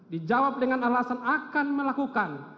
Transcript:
dijawab dengan alasan akan melakukan